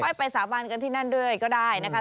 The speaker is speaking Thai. ไปสาบานกันที่นั่นด้วยก็ได้นะคะ